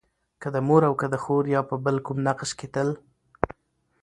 که د مور او که د خور يا په بل کوم نقش کې تل